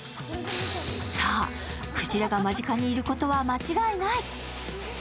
さぁ、クジラが間近にいることは間違いない。